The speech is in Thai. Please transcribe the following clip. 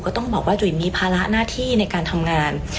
ต้องบอกว่าจุ๋ยมีภาระหน้าที่ในการทำงาน